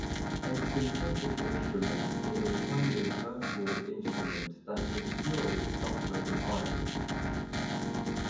A synthetic instrument is a kind of virtual instrument that is purely software defined.